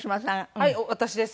はい私です。